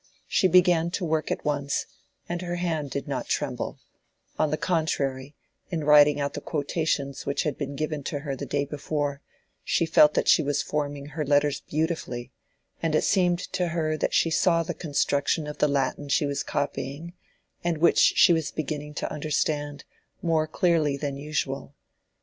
She began to work at once, and her hand did not tremble; on the contrary, in writing out the quotations which had been given to her the day before, she felt that she was forming her letters beautifully, and it seemed to her that she saw the construction of the Latin she was copying, and which she was beginning to understand, more clearly than usual.